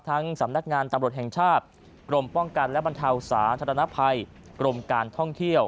สำนักงานตำรวจแห่งชาติกรมป้องกันและบรรเทาสาธารณภัยกรมการท่องเที่ยว